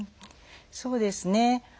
そうですね。